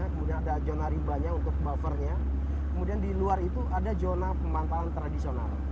kemudian ada zona rimbanya untuk buffernya kemudian di luar itu ada zona pemantauan tradisional